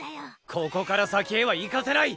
ここから先へは行かせない！